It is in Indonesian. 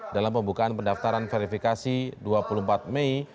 dalam pembukaan pendaftaran verifikasi dua puluh empat mei